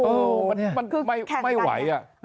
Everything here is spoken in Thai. โอ้โหมันไม่ไหว